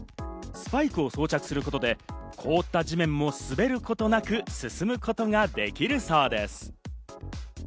スパイクを装着することで凍った地面も滑ることなく進むことができるそうです。